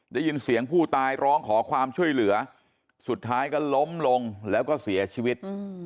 ได้ยินเสียงผู้ตายร้องขอความช่วยเหลือสุดท้ายก็ล้มลงแล้วก็เสียชีวิต